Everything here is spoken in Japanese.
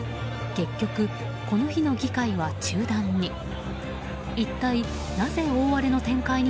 結局、この日の議会は中断に。